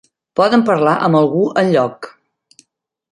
Poden parlar amb algú enlloc.